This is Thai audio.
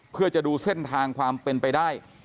เพื่อจะดูเส้นทางความเป็นไปได้